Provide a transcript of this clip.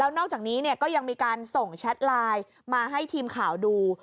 นอกจากนี้ก็ยังมีการส่งแชทไลน์มาให้ทีมข่าวดู